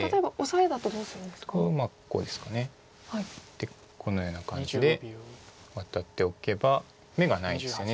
でこのような感じでワタっておけば眼がないですよね